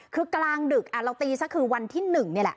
คือกลางดึกเราตีซะคือวันที่๑นี่แหละ